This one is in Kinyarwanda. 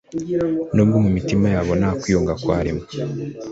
n’ubwo mu mitima yabo nta kwiyunga kwarimo